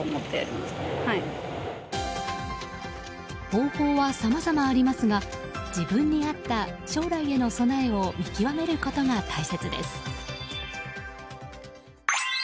方法はさまざまありますが自分に合った将来への備えを見極めることが大切です。